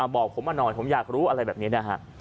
บอกผมมาหน่อยผมอยากรู้อะไรแบบนี้นะฮะ